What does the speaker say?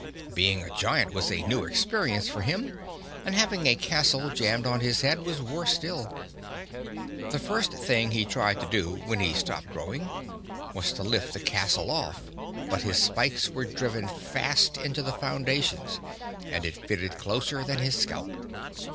Being a giant was a new experience for him and having a castle jammed on his head was worse still. The first thing he tried to do, when he stopped growing, was to lift the castle off, but his spikes were driven fast into the foundations and it fitted closer than his scalp.